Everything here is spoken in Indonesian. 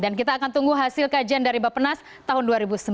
dan kita akan tunggu hasil kajian dari bapenas tahun dua ribu sembilan belas